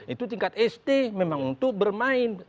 itu tingkat sd memang untuk bermain